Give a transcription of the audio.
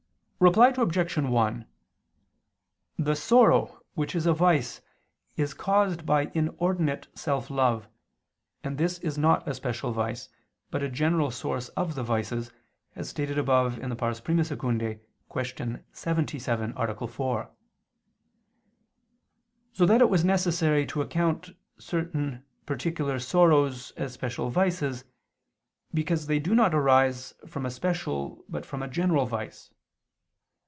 Reply Obj. 1: The sorrow which is a vice is caused by inordinate self love, and this is not a special vice, but a general source of the vices, as stated above (I II, Q. 77, A. 4); so that it was necessary to account certain particular sorrows as special vices, because they do not arise from a special, but from a general vice.